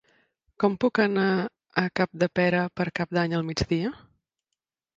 Com puc anar a Capdepera per Cap d'Any al migdia?